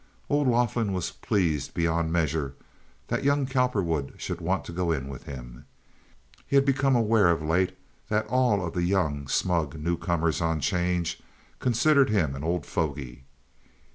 Old Laughlin was pleased beyond measure that young Cowperwood should want to go in with him. He had become aware of late that all of the young, smug newcomers on 'change considered him an old fogy.